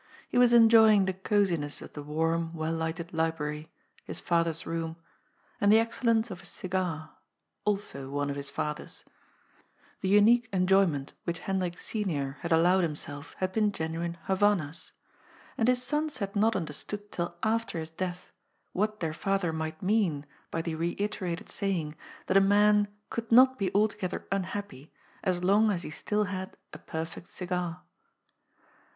He was enjoying the cosiness of the warm, well lighted library — ^his father's room — ^and the excellence of his cigar — also one of his father's. The unique enjoyment which Hendrik Senior had allowed him self had been genuine Havannahs. And his sons had not understood till after his death what their father might mean by the reiterated saying that a man could not be altogether unhappy, as long as he still had a perfect cigar.